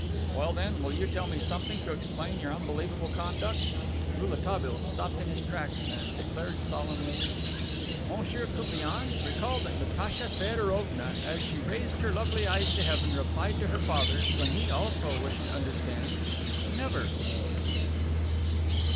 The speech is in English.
"When, then, will you tell me something to explain your unbelievable conduct?" Rouletabille stopped in his tracks and declared solemnly: "Monsieur Koupriane, recall what Natacha Feodorovna as she raised her lovely eyes to heaven, replied to her father, when he, also, wished to understand: 'Never.